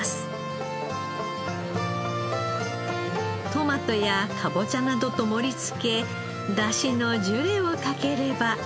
トマトや南瓜などと盛りつけ出汁のジュレをかければ。